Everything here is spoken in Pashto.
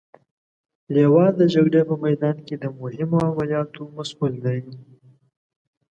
لوا د جګړې په میدان کې د مهمو عملیاتو مسئول دی.